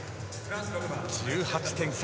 １８点差。